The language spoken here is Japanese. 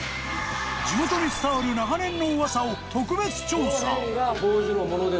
地元に伝わる長年の噂を特別調査。